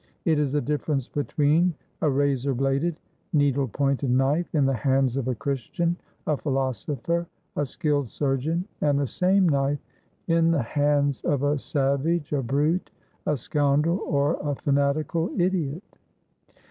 It is the difference between a razor bladed, needle pointed knife in the hands of a Christian, a philosopher, a skilled surgeon, and the same knife in the hands of a savage, a brute, a scoundrel, or a fanatical idiot.